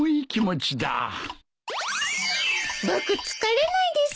僕疲れないです。